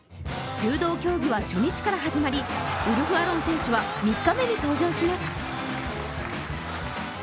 柔道競技は初日から始まり、ウルフアロン選手は３日目に登場します。